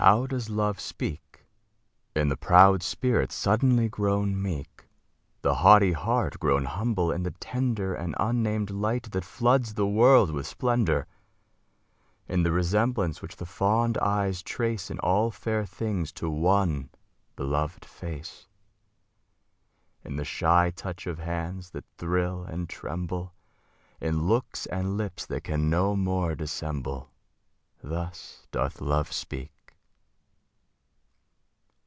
How does Love speak? In the proud spirit suddenly grown meek The haughty heart grown humble; in the tender And unnamed light that floods the world with splendor; In the resemblance which the fond eyes trace In all fair things to one beloved face; In the shy touch of hands that thrill and tremble; In looks and lips that can no more dissemble Thus doth Love speak.